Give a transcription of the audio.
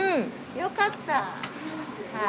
よかったはい。